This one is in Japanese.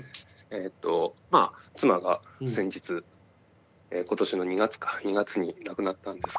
えっとまあ妻が先日今年の２月か２月に亡くなったんですけれども。